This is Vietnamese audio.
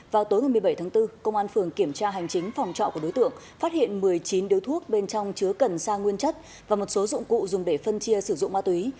vào tối một mươi bảy tháng bốn công an phường kiểm tra hành chính phòng trọ của đối tượng phát hiện một mươi chín điếu thuốc bên trong chứa cần sa nguyên chất và một số dụng cụ dùng để phân chia sử dụng ma túy